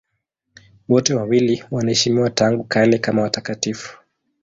Wote wawili wanaheshimiwa tangu kale kama watakatifu.